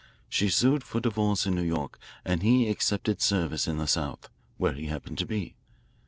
She sued for divorce in New York, and he accepted service in the South, where he happened to be.